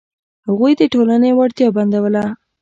هغوی د ټولنې وړتیا بندوله.